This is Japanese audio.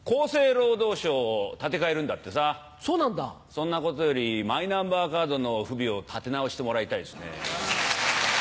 そんなことよりマイナンバーカードの不備を立て直してもらいたいですね。